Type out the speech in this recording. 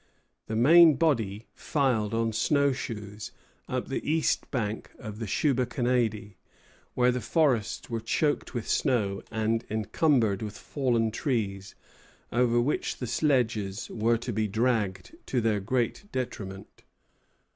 The main body filed on snowshoes up the east bank of the Shubenacadie, where the forests were choked with snow and encumbered with fallen trees, over which the sledges were to be dragged, to their great detriment.